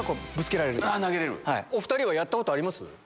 お２人はやったことあります？